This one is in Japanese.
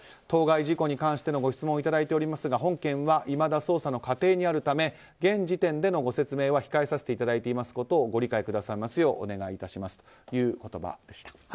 当該事故に関してのご質問をいただいておりますが本件はいまだ捜査の過程にあるため現時点でのご説明は控えさせていただいていることをご理解くださいますようお願い致しますという言葉でした。